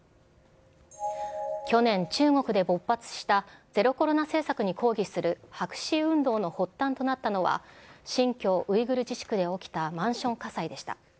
去年、中国で勃発したゼロコロナ政策に抗議する白紙運動の発端となったのは、新疆ウイグル自治区で起きたマンション火災でした。